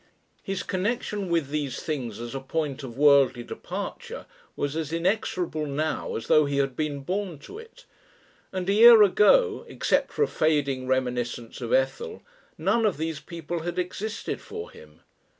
His connexion with these things as a point of worldly departure was as inexorable now as though he had been born to it. And a year ago, except for a fading reminiscence of Ethel, none of these people had existed for him.